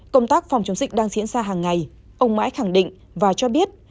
công tác phòng chống dịch đang diễn ra hàng ngày ông mãi khẳng định và cho biết